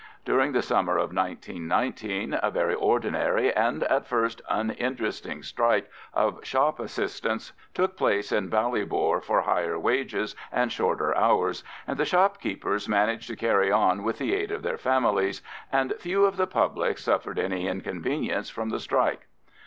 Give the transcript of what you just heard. During the summer of 1919 a very ordinary and at first uninteresting strike of shop assistants took place in Ballybor for higher wages and shorter hours, and the shopkeepers managed to carry on with the aid of their families, and few of the public suffered any inconvenience from the strike.